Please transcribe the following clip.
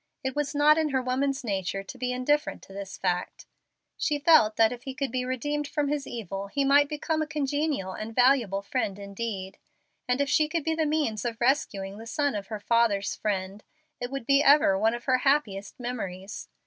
It was not in her woman's nature to be indifferent to this fact. She felt that if he could be redeemed from his evil he might become a congenial and valuable friend indeed, and if she could be the means of rescuing the son of her father's friend it would ever be one of her happiest memories.